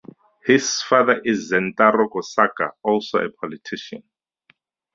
His father is Zentaro Kosaka, also a politician.